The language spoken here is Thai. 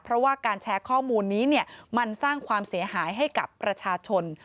เพราะว่าการแชร์ข้อมูลนี้มันสร้างความเสียหายให้กับประชาชน